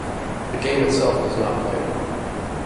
The game itself does not play well.